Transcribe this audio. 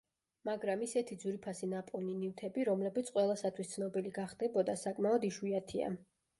მაგრამ ისეთი ძვირფასი ნაპოვნი ნივთები, რომლებიც ყველასათვის ცნობილი გახდებოდა, საკმაოდ იშვიათია.